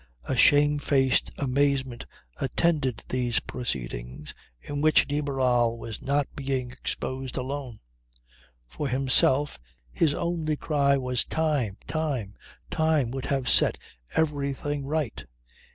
A shamefaced amazement attended these proceedings in which de Barral was not being exposed alone. For himself his only cry was: Time! Time! Time would have set everything right.